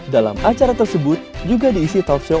dalam acara tersebut juga diisi talkshow